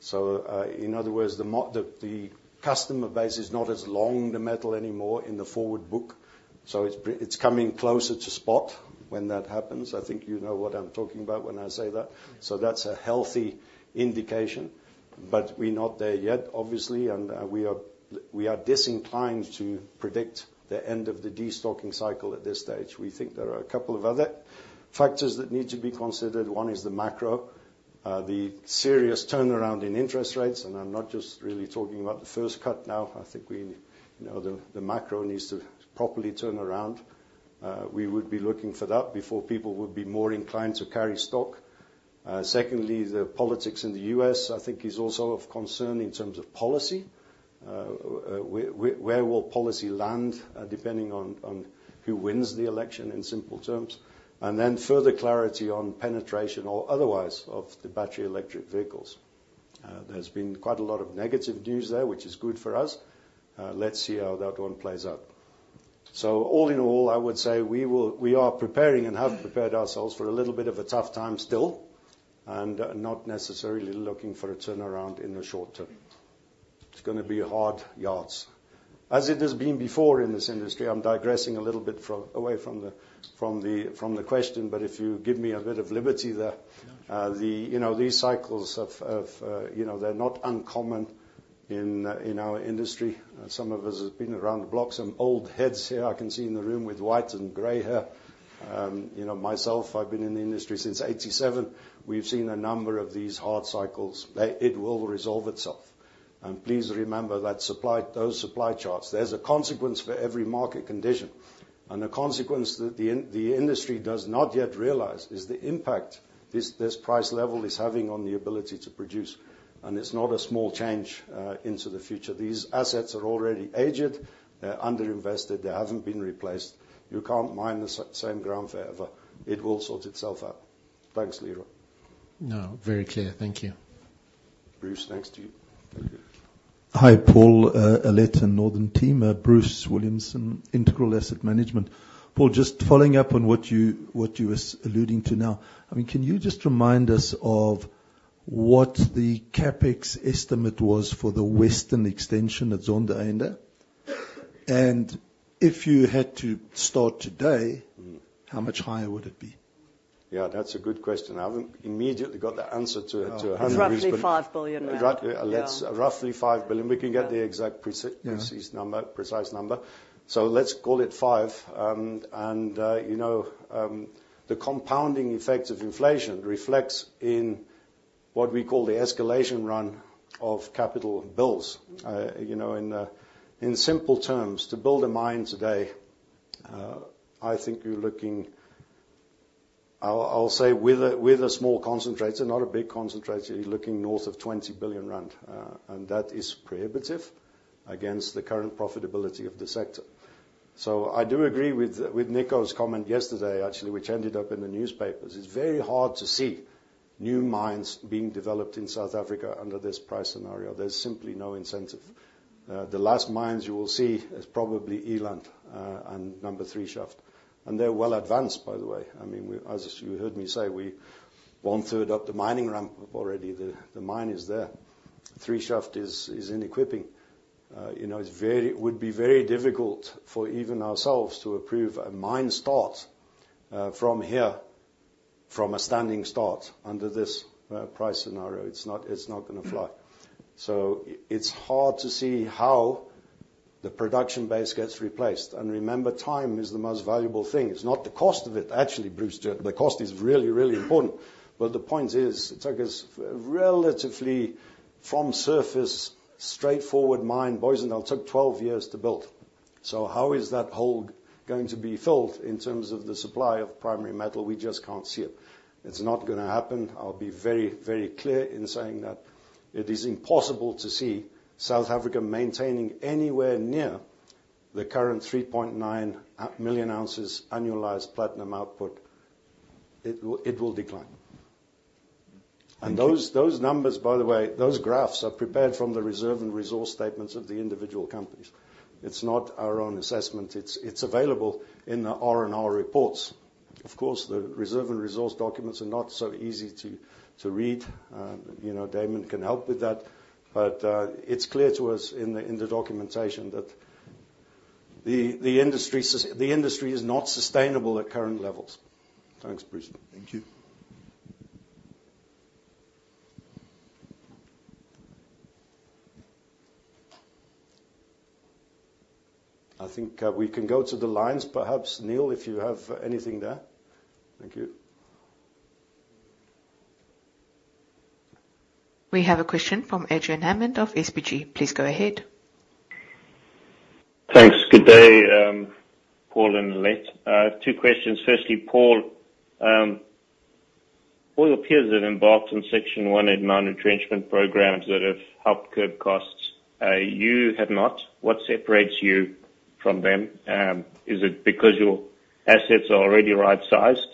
So, in other words, the customer base is not as long the metal anymore in the forward book, so it's coming closer to spot when that happens. I think you know what I'm talking about when I say that, so that's a healthy indication. But we're not there yet, obviously, and we are disinclined to predict the end of the destocking cycle at this stage. We think there are a couple of other factors that need to be considered. One is the macro, the serious turnaround in interest rates, and I'm not just really talking about the first cut now. I think we, you know, the macro needs to properly turn around. We would be looking for that before people would be more inclined to carry stock. Secondly, the politics in the U.S., I think, is also of concern in terms of policy. Where will policy land, depending on who wins the election, in simple terms. And then further clarity on penetration or otherwise of the battery electric vehicles. There's been quite a lot of negative news there, which is good for us. Let's see how that one plays out. So all in all, I would say we are preparing and have prepared ourselves for a little bit of a tough time still, and not necessarily looking for a turnaround in the short term. It's gonna be hard yards, as it has been before in this industry. I'm digressing a little bit away from the question, but if you give me a bit of liberty there. Yeah. You know, these cycles, you know, they're not uncommon in our industry. Some of us have been around the block, some old heads here I can see in the room with white and gray hair. You know, myself, I've been in the industry since 1987. We've seen a number of these hard cycles. It will resolve itself, and please remember that supply, those supply charts, there's a consequence for every market condition, and the consequence that the industry does not yet realize is the impact this price level is having on the ability to produce, and it's not a small change into the future. These assets are already aged, they're underinvested, they haven't been replaced. You can't mine the same ground forever. It will sort itself out. Thanks, Leroy. No, very clear. Thank you. Bruce, thanks to you. Hi, Paul, Aletta and Northam team, Bruce Williamson, Integral Asset Management. Paul, just following up on what you was alluding to now, I mean, can you just remind us of what the CapEx estimate was for the western extension at Zondereinde? And if you had to start today- Mm. How much higher would it be? Yeah, that's a good question. I haven't immediately got the answer to it, to a hundred- It's roughly 5 billion. Roughly, Alet, roughly 5 billion. Yeah. We can get the exact prec- Yeah... precise number, precise number, so let's call it five, and you know, the compounding effect of inflation reflects in what we call the escalation run of capital bills. Mm. You know, in simple terms, to build a mine today, I think you're looking... I'll say with a small concentrator, not a big concentrator, you're looking north of 20 billion rand, and that is prohibitive against the current profitability of the sector. So I do agree with Nico's comment yesterday, actually, which ended up in the newspapers. It's very hard to see new mines being developed in South Africa under this price scenario. There's simply no incentive. The last mines you will see is probably Eland and number three shaft, and they're well advanced, by the way. I mean, as you heard me say, we one-third up the mining ramp already. The mine is there. Three shaft is in equipping. You know, it would be very difficult for even ourselves to approve a mine start from here, from a standing start, under this price scenario. It's not gonna fly. It's hard to see how the production base gets replaced. Remember, time is the most valuable thing. It's not the cost of it. Actually, Bruce, the cost is really, really important, but the point is, it took us relatively from surface, straightforward mine. Booysendal took twelve years to build. How is that hole going to be filled in terms of the supply of primary metal? We just can't see it. It's not gonna happen. I'll be very, very clear in saying that it is impossible to see South Africa maintaining anywhere near the current 3.9 million ounces annualized platinum output. It will decline. Thank you. Those numbers, by the way, those graphs are prepared from the reserve and resource statements of the individual companies. It's not our own assessment. It's available in the R&R reports. Of course, the reserve and resource documents are not so easy to read. You know, Damian can help with that, but it's clear to us in the documentation that the industry is not sustainable at current levels. Thanks, Bruce. Thank you. I think, we can go to the lines, perhaps, Neil, if you have anything there. Thank you. We have a question from Adrian Hammond of SBG. Please go ahead. Thanks. Good day, Paul and Alet. I have two questions. Firstly, Paul, all your peers have embarked on Section 189 retrenchment programs that have helped curb costs. You have not. What separates you from them? Is it because your assets are already right-sized?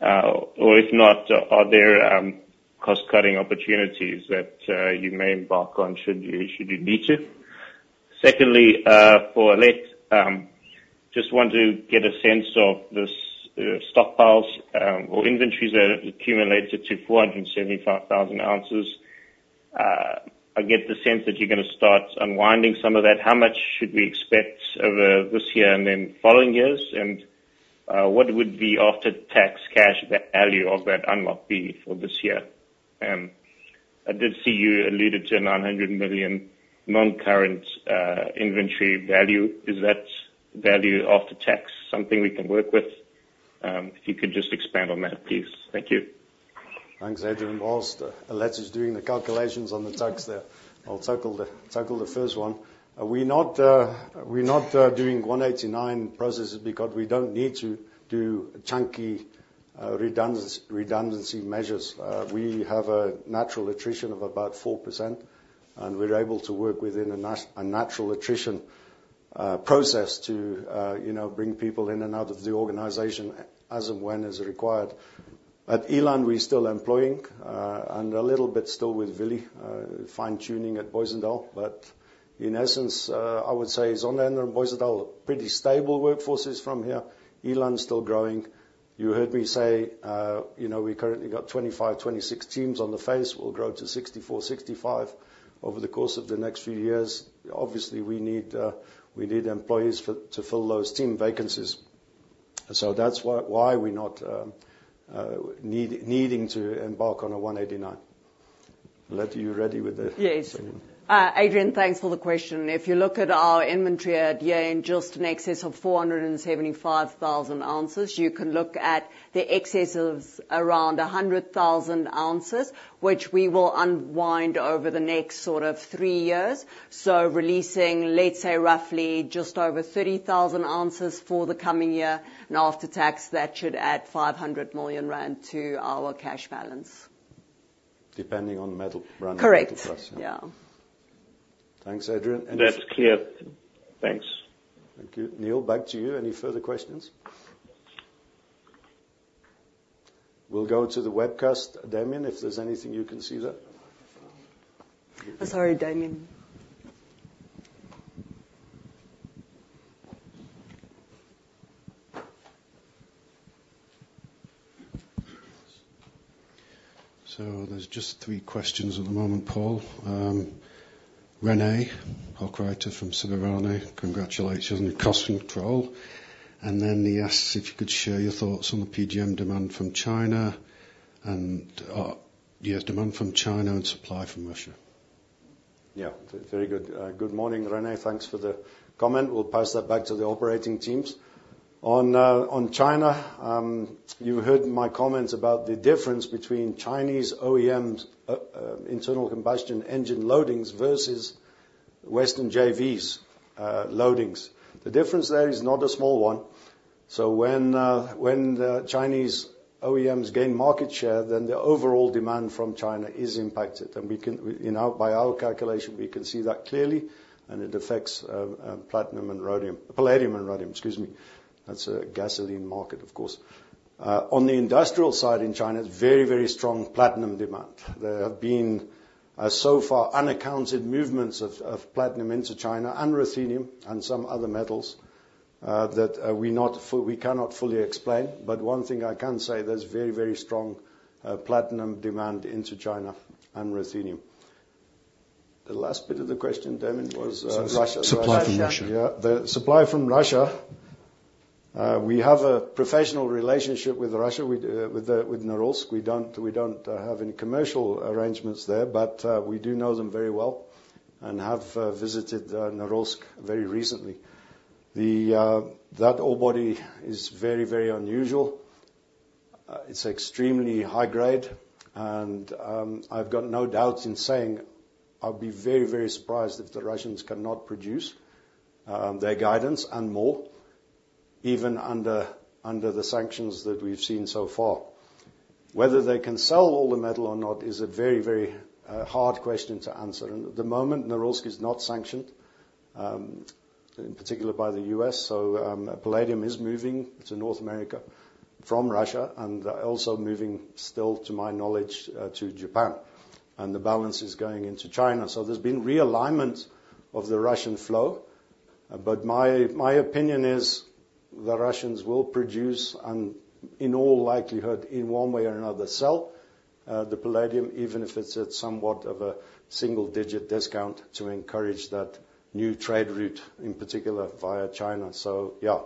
Or if not, are there cost-cutting opportunities that you may embark on, should you, should you need to? Secondly, for Alet, just want to get a sense of this stockpiles or inventories that have accumulated to 475,000 ounces. I get the sense that you're gonna start unwinding some of that. How much should we expect over this year and in following years? And what would the after-tax cash, the value of that unlock be for this year? I did see you alluded to a nine hundred million non-current inventory value. Is that value after tax something we can work with? If you could just expand on that, please. Thank you. Thanks, Adrian. While Alet is doing the calculations on the tax there, I'll tackle the first one. Are we not doing 189 processes because we don't need to do chunky redundancy measures. We have a natural attrition of about 4%, and we're able to work within a natural attrition process to, you know, bring people in and out of the organization as and when is required. At Eland, we're still employing, and a little bit still with Willie, fine-tuning at Booysendal. But in essence, I would say Zondereinde and Booysendal, pretty stable workforces from here. Eland's still growing. You heard me say, you know, we currently got 25, 26 teams on the face. We'll grow to 64, 65 over the course of the next few years. Obviously, we need employees to fill those team vacancies. So that's why we're not needing to embark on a 189. Alet, are you ready with the- Yes. Adrian, thanks for the question. If you look at our inventory at year, in just in excess of 475,000 ounces, you can look at the excess of around 100,000 ounces, which we will unwind over the next sort of three years. So releasing, let's say, roughly just over 30,000 ounces for the coming year, and after tax, that should add 500 million rand to our cash balance. Depending on the metal rand- Correct. -price. Yeah. Thanks, Adrian. And- That's clear. Thanks. Thank you. Neil, back to you. Any further questions? We'll go to the webcast, Damian, if there's anything you can see there. Sorry, Damian. There's just three questions at the moment, Paul. Rene Hochreiter from Sieberana Research. Congratulations on your cost control, and then he asks if you could share your thoughts on the PGM demand from China and supply from Russia. Yeah, very good. Good morning, Rene. Thanks for the comment. We'll pass that back to the operating teams. On China, you heard my comments about the difference between Chinese OEMs, internal combustion engine loadings versus Western JVs, loadings. The difference there is not a small one. So when the Chinese OEMs gain market share, then the overall demand from China is impacted, and by our calculation, we can see that clearly, and it affects platinum and rhodium—palladium and rhodium, excuse me. That's a gasoline market, of course. On the industrial side, in China, it's very, very strong platinum demand. There have been so far unaccounted movements of platinum into China and ruthenium and some other metals that we cannot fully explain. But one thing I can say, there's very, very strong platinum demand into China and ruthenium. The last bit of the question, Damian, was Russia. Supply from Russia. Yeah, the supply from Russia. We have a professional relationship with Russia, with Norilsk. We don't, we don't have any commercial arrangements there, but we do know them very well and have visited Norilsk very recently. That ore body is very, very unusual. It's extremely high grade, and I've got no doubts in saying I'll be very, very surprised if the Russians cannot produce their guidance and more, even under the sanctions that we've seen so far. Whether they can sell all the metal or not is a very, very hard question to answer. And at the moment, Norilsk is not sanctioned in particular by the U.S., so palladium is moving to North America from Russia and also moving still, to my knowledge, to Japan, and the balance is going into China. So there's been realignment of the Russian flow, but my opinion is the Russians will produce and, in all likelihood, in one way or another, sell the palladium, even if it's at somewhat of a single-digit discount, to encourage that new trade route, in particular via China. So, yeah,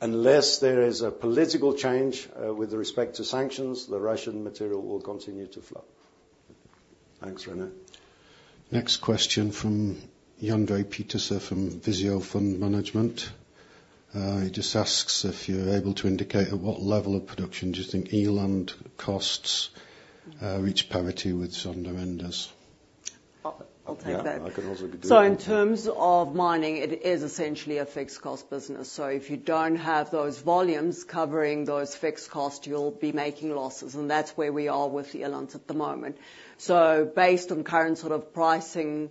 unless there is a political change with respect to sanctions, the Russian material will continue to flow. Thanks, Rene. Next question from Jan-Brits Pieterse from Visio Fund Management. He just asks if you're able to indicate at what level of production do you think Eland costs reach parity with Zondereinde's? I'll take that. Yeah, I can also do- So in terms of mining, it is essentially a fixed cost business. So if you don't have those volumes covering those fixed costs, you'll be making losses, and that's where we are with Eland at the moment. So based on current sort of pricing,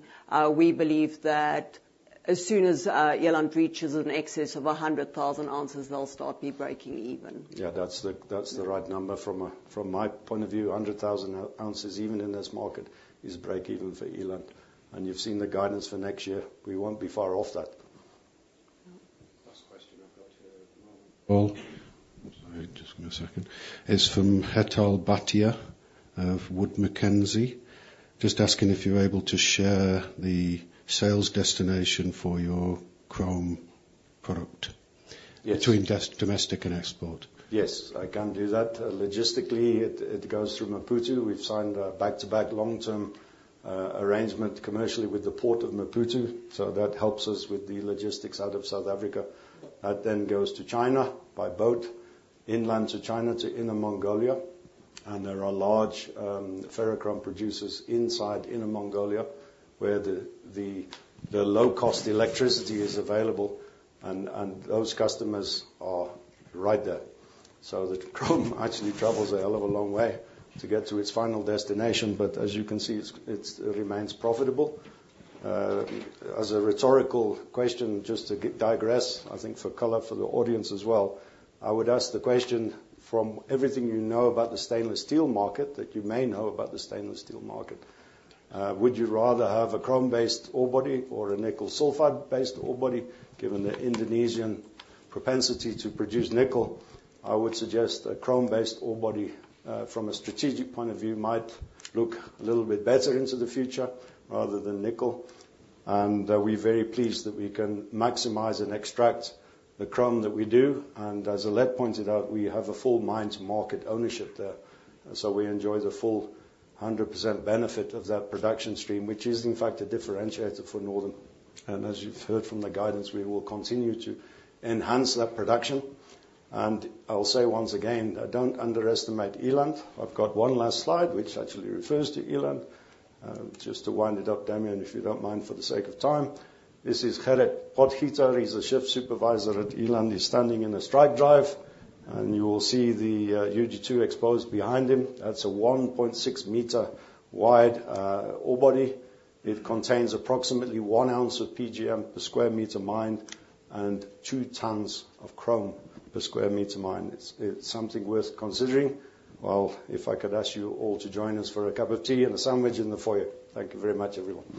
we believe that as soon as Eland reaches in excess of a hundred thousand ounces, they'll start be breaking even. Yeah, that's the, that's the right number. From, from my point of view, a hundred thousand ounces, even in this market, is break even for Eland. And you've seen the guidance for next year. We won't be far off that. Last question I've got here at the moment, Paul, sorry, just give me a second, is from Hetal Bhatia of Wood Mackenzie. Just asking if you're able to share the sales destination for your chrome product- Yes... between domestic and export. Yes, I can do that. Logistically, it goes through Maputo. We've signed a back-to-back long-term arrangement commercially with the Port of Maputo, so that helps us with the logistics out of South Africa. That then goes to China by boat, inland to China, to Inner Mongolia, and there are large ferrochrome producers inside Inner Mongolia, where the low-cost electricity is available, and those customers are right there. So the chrome actually travels a hell of a long way to get to its final destination, but as you can see, it remains profitable. As a rhetorical question, just to digress, I think, for color for the audience as well, I would ask the question, from everything you know about the stainless steel market, that you may know about the stainless steel market, would you rather have a chrome-based ore body or a nickel sulfide-based ore body? Given the Indonesian propensity to produce nickel, I would suggest a chrome-based ore body, from a strategic point of view, might look a little bit better into the future rather than nickel. We are very pleased that we can maximize and extract the chrome that we do, and as Alet pointed out, we have a full mine-to-market ownership there, so we enjoy the full 100% benefit of that production stream, which is, in fact, a differentiator for Northam. As you've heard from the guidance, we will continue to enhance that production. I'll say once again, don't underestimate Eland. I've got one last slide, which actually refers to Eland. Just to wind it up, Damian, if you don't mind, for the sake of time. This is Gerrit Potgieter. He's a shift supervisor at Eland. He's standing in a strike drive, and you will see the UG2 exposed behind him. That's a 1.6-meter wide ore body. It contains approximately 1 ounce of PGM per square meter mined and 2 tons of chrome per square meter mined. It's, it's something worth considering. If I could ask you all to join us for a cup of tea and a sandwich in the foyer. Thank you very much, everyone.